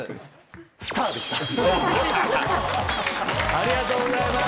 ありがとうございます。